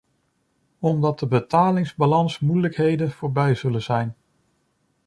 Omdat de betalingsbalansmoeilijkheden voorbij zullen zijn.